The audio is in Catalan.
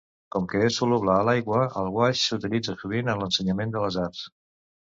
Com que és soluble a l'aigua, el guaix s'utilitza sovint en l'ensenyament de les arts.